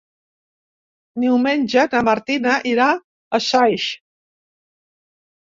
Diumenge na Martina irà a Saix.